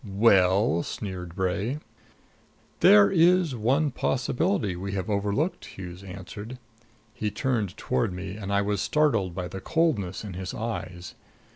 "Well?" sneered Bray. "There is one possibility we have overlooked," Hughes answered. He turned toward me and I was startled by the coldness in his eyes.